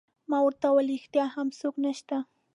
ما ورته وویل: ریښتیا هم څوک نشته؟